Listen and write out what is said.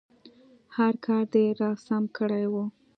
هر کار دې راسم کړی وي.